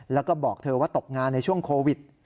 แล้วก็บอกเธอว่าตกงานในช่วงโควิด